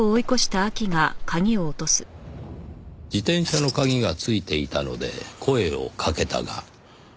自転車の鍵が付いていたので声をかけたが。